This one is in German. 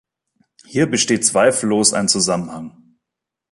Hier besteht zweifellos ein Zusammenhang.